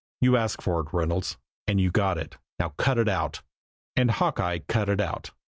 "You asked for it, Reynolds, and you got it. Now cut it out!" And Hawkeye "cut it out."